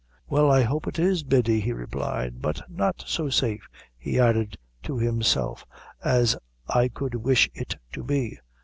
"Well, I hope it is, Biddy," he replied, "but not so safe," he added to himself, "as I could wish it to be.